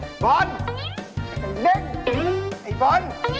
มีความรู้สึกว่า